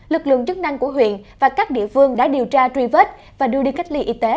lực lượng chức năng của huyện và các địa phương đã điều tra truy vết và đưa đi cách ly y tế